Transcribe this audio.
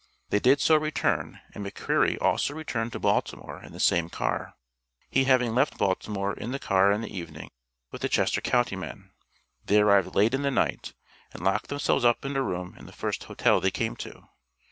They did so return, and McCreary also returned to Baltimore in the same car, he having left Baltimore in the car in the evening with the Chester county men; they arrived late in the night, and locked themselves up in a room in the first hotel they came to.